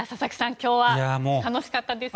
今日は楽しかったですね。